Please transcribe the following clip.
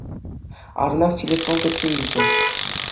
Аранах телефон кӗтсе илчӗ.